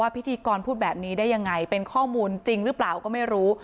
พิธีกรพูดแบบนี้ได้ยังไงเป็นข้อมูลจริงหรือเปล่าก็ไม่รู้